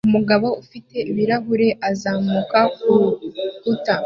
Umugabo ufite ibirahuri azamuka kurukuta